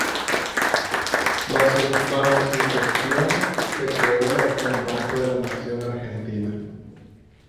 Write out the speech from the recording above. Bajo su gestión se creó el actual Banco de la Nación Argentina.